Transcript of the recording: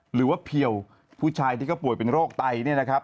หรือว่าเพียวผู้ชายที่เขาป่วยเป็นโรคไตเนี่ยนะครับ